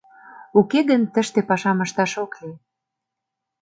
Уке гын тыште пашам ышташ ок лий.